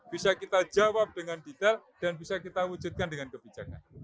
bisa kita jawab dengan detail dan bisa kita wujudkan dengan kebijakan